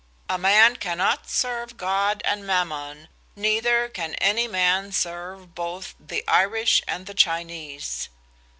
A man cannot serve God and Mammon, neither can any man serve both the Irish and Chinese.